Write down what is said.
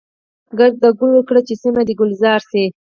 کرد د ګلو کړه چي سیمه د ګلزار شي.